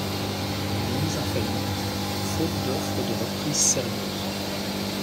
Elle est mise en faillite faute d'offres de reprise sérieuses.